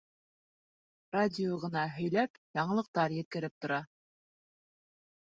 Радио ғына һөйләп, яңылыҡтар еткереп тора.